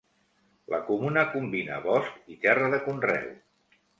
La comuna combina bosc i terra de conreu.